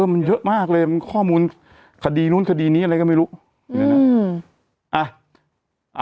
มันเยอะมากเลยข้อมูลคดีนู้นคดีนี้อะไรก็ไม่รู้นะครับ